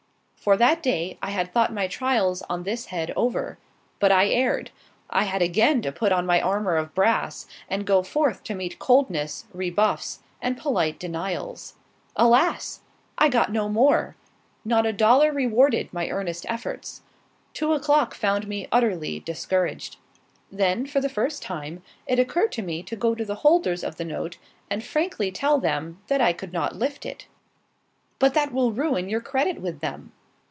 For that day, I had thought my trials on this head over; but I erred. I had again to put on my armour of brass and go forth to meet coldness, rebuffs, and polite denials. Alas! I got no more; not a dollar rewarded my earnest efforts. Two o'clock found me utterly discouraged. Then, for the first time, it occurred to me to go to the holders of the note and frankly tell them that I could not lift it. "But that will ruin your credit with them."